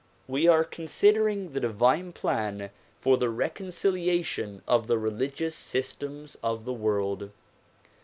We are considering the divine plan for the reconciliation of the religious systems of the world.